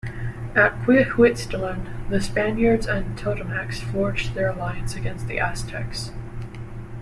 At Quiahuiztlan, the Spaniards and Totonacs forged their alliance against the Aztecs.